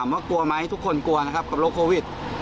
ว่ากลัวไหมทุกคนกลัวนะครับกับโรคโควิด